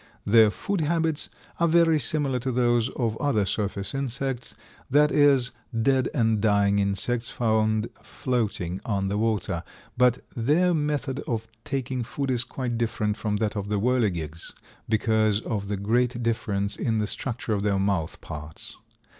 Their food habits are very similar to those of other surface insects, that is, dead and dying insects found floating on the water. But their method of taking food is quite different from that of the Whirligigs, because of the great difference in the structure of their mouth parts.